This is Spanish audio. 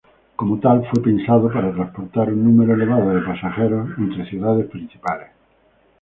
Como tal, fue pensado para transportar un número elevado de pasajeros entre ciudades principales.